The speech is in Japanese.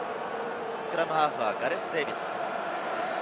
スクラムハーフはガレス・デーヴィス。